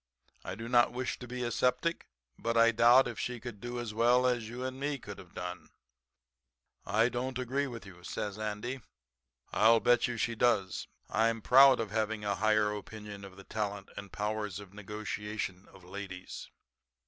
'I do not wish to be a septic, but I doubt if she can do as well as you and me could have done.' "'I don't agree with you,' says Andy. 'I'll bet you she does. I'm proud of having a higher opinion of the talent and the powers of negotiation of ladies.'